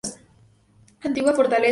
Antigua fortaleza.